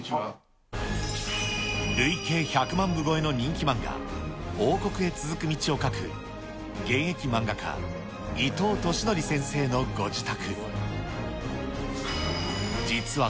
累計１００万部超えの人気漫画、王国へ続く道を描く現役漫画家、伊藤としのり先生のご自宅。